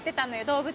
動物。